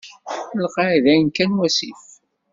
Lqay dayen kan wasif.